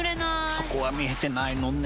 そこは見えてないのね。